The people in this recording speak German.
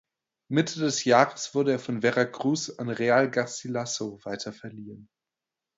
Mitte des Jahres wurde er von Veracruz an Real Garcilaso weiterverliehen.